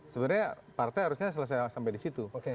sebenarnya partai harusnya selesai sampai di situ